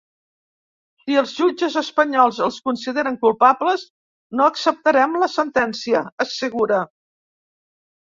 Si els jutges espanyols els consideren culpables, no acceptarem la sentència, assegura.